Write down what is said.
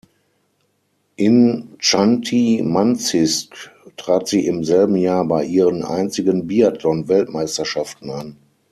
In Chanty-Mansijsk trat sie im selben Jahr bei ihren einzigen Biathlon-Weltmeisterschaften an.